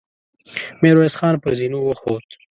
ميرويس خان پر زينو وخوت.